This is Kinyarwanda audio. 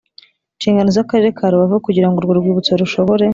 Nshingano z akarere ka rubavu kugira ngo urwo rwibutso rushobore